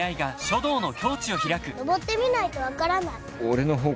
登ってみないと分からない。